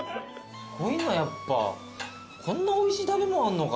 すごいなやっぱこんなおいしい食べ物あんのか。